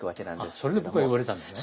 それで僕が呼ばれたんですね。